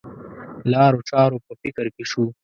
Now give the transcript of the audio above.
لارو چارو په فکر کې شو.